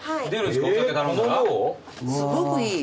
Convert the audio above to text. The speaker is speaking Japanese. すごくいい。